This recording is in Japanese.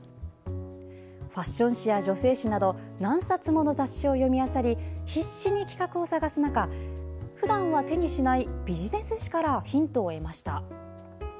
ファッション誌や女性誌など何冊もの雑誌を読みあさり必死に企画を探す中ふだんは手にしないビジネス誌からヒントを得ました。